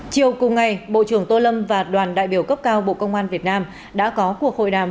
chiều cùng ngày bộ trưởng tô lâm và đoàn đại biểu cấp cao bộ công an việt nam đã có cuộc hội đàm